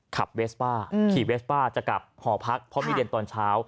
ขับเวสป้าขี่เวสป้าจะกลับหอพักเพราะมีเรียนตอนเช้า